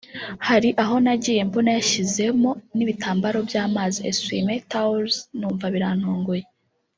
Hari aho nagiye mbona yashyizemo n’ibitambaro by’amazi (essui-mains/towels) numva birantunguye